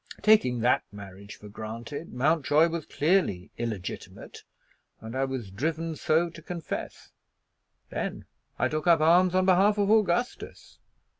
Taking that marriage for granted, Mountjoy was clearly illegitimate, and I was driven so to confess. Then I took up arms on behalf of Augustus.